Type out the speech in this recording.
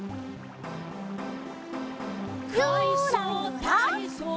「かいそうたいそう」